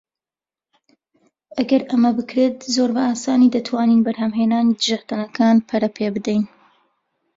ئەگەر ئەمە بکرێت، زۆر بە ئاسانی دەتوانین بەرهەمهێنانی دژەتەنەکان پەرە پێبدەین.